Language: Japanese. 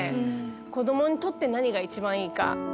子供にとって何が一番いいか。